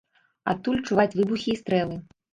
Адтуль чуваць выбухі і стрэлы.